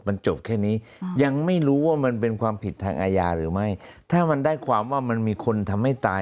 มันจบแค่นี้ยังไม่รู้ว่ามันเป็นความผิดทางอาญาหรือไม่ถ้ามันได้ความว่ามันมีคนทำให้ตาย